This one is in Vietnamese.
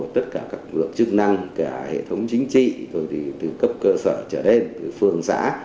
tất cả các lực lượng chức năng cả hệ thống chính trị rồi từ cấp cơ sở trở lên từ phường xã